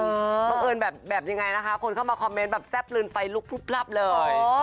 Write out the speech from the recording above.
บังเอิญแบบยังไงนะคะคนเข้ามาคอมเมนต์แบบแซ่บลืนไฟลุกพลึบพลับเลย